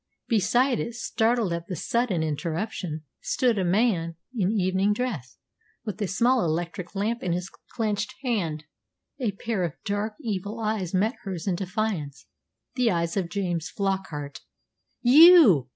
Beside it, startled at the sudden interruption, stood a man in evening dress, with a small electric lamp in his clenched hand. A pair of dark, evil eyes met hers in defiance the eyes of James Flockart. "You!"